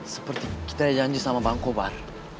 seperti kita janji sama bang kobar